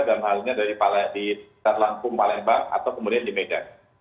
dan halnya di sarlangkum palembang atau kemudian di medan